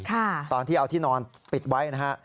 ตอนที่เอาที่นอนปิดไว้นะฮะ